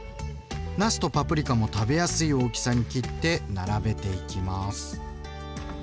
なすとパプリカも食べやすい大きさに切って並べていきます。